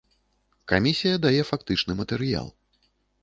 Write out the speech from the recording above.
Камісія дае фактычны матэрыял.